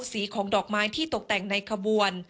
สีของดอกไม้ที่ตกแต่งในขบวน